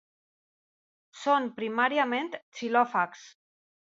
Són primàriament xilòfags.